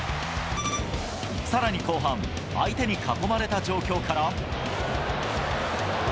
さらに後半、相手に囲まれた状況から。